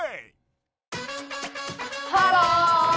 ハロー！